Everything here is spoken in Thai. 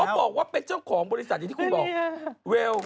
บอกว่าเป็นเจ้าของบริษัทอย่างที่คุณบอก